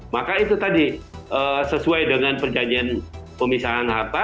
maka itu tadi sesuai dengan perjanjian pemisahan harta